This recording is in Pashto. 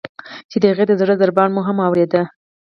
چې د هغې د زړه ضربان مو هم اوریده.